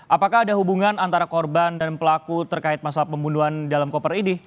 apakah ada hubungan antara korban dan pelaku terkait masalah pembunuhan dalam koper ini